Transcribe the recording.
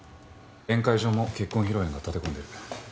宴会場も結婚披露宴が立て込んでる。